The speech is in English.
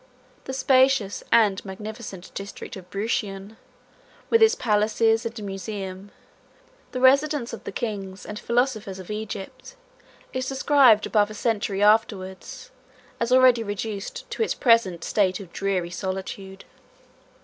The spacious and magnificent district of Bruchion, 1751 with its palaces and musæum, the residence of the kings and philosophers of Egypt, is described above a century afterwards, as already reduced to its present state of dreary solitude.